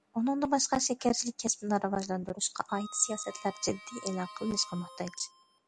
ئۇنىڭدىن باشقا شېكەرچىلىك كەسپىنى راۋاجلاندۇرۇشقا ئائىت سىياسەتلەر جىددىي ئېلان قىلىنىشقا موھتاج.